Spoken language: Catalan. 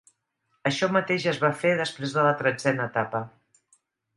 Això mateix es va fer després de la tretzena etapa.